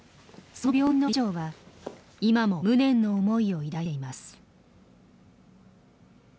その病院の理事長は今も無念の思いを抱いています。